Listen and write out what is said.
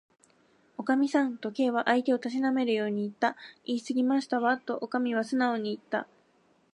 「おかみさん」と、Ｋ は相手をたしなめるようにいった。「いいすぎましたわ」と、おかみはすなおにいった。